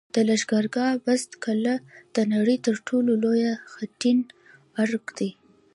د لښکرګاه بست قلعه د نړۍ تر ټولو لوی خټین ارک دی